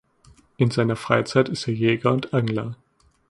In seiner Freizeit ist er Jäger und Angler.